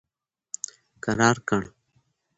کرار کړ.